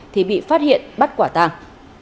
thì bị phát hiện bắt quả tàng